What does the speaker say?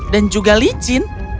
dan juga licin